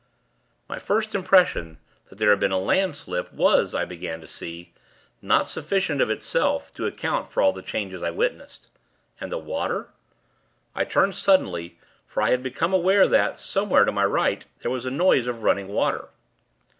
My first impression, that there had been a land slip, was, I began to see, not sufficient, of itself, to account for all the changes I witnessed. And the water ? I turned, suddenly; for I had become aware that, somewhere to my right, there was a noise of running water.